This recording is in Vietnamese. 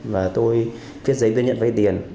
và tôi viết giấy đơn nhận vay tiền